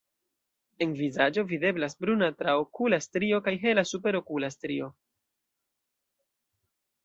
En vizaĝo videblas bruna traokula strio kaj hela superokula strio.